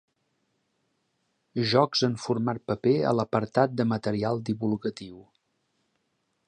Jocs en format paper a l'apartat de material divulgatiu.